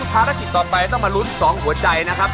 ภารกิจต่อไปต้องมาลุ้น๒หัวใจนะครับ